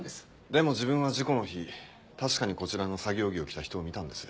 でも自分は事故の日確かにこちらの作業着を着た人を見たんです。